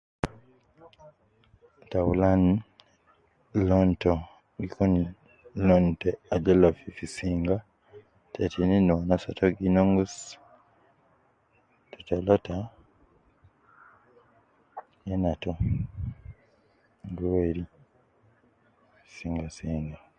Akikisha werim al fi sudur taki je batal eeeh fi sudur tayi ta ragi ta mariya. Kan tayi ta ragi, sudur fi namna al fi moo, lakin ita ayinu jina namnam wayi ja Fogo jede au ita ruwa uku jede abidu werim sambala au kefin jede de khatar kalas mara wai aju ilaj. Kan de ta nuswan rada nyereku jede ogi rada jede aahh waja mastajab au sudur werim safa wayi jede wede khatar the ga akikisha